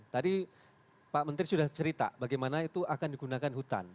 tadi pak menteri sudah cerita bagaimana itu akan digunakan hutan